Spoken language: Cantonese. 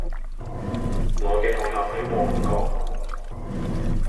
我嘅學校喺旺角